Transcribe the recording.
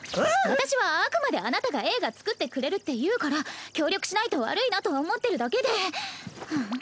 私はあくまであなたが映画作ってくれるっていうから協力しないと悪いなと思ってるだけでふんっ。